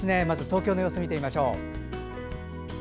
まずは東京の様子から見て見ましょう。